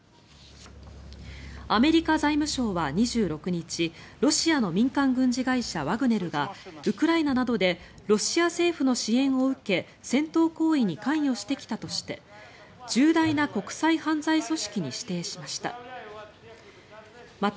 アメリカ財務省は２６日ロシアの民間軍事会社ワグネルがウクライナなどでロシア政府の支援を受け戦闘行為に関与してきたとして重大な国際犯罪組織に指定しました。